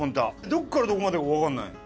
どこからどこまでかわかんない。